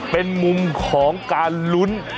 เป็นมุมของการลุ้น